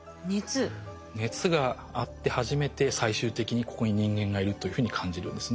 熱があって初めて最終的にここに人間がいるというふうに感じるんですね。